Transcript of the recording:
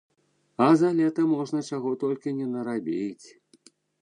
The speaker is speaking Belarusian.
А за лета можна чаго толькі не нарабіць!